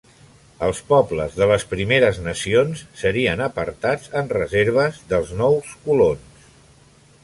Els pobles de les Primeres Nacions serien apartats en reserves dels nous colons.